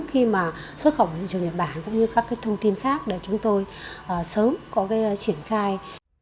khi mà xuất khẩu vào thị trường nhật bản cũng như các thông tin khác để chúng tôi sớm có cái triển khai